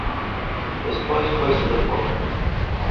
Despois foise do pobo